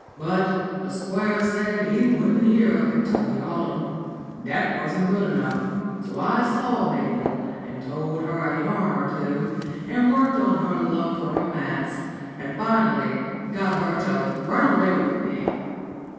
But the Squire said he wouldn't hear of it till the autumn. That wasn't good enough, so I saw Mabel and told her a yarn or two, and worked on her love for romance, and finally got her to run away with me.